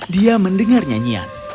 dia mendengar nyanyian